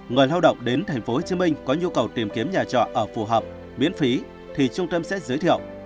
người lao động đến tp hcm có nhu cầu tìm kiếm nhà trọ ở phù hợp miễn phí thì trung tâm sẽ giới thiệu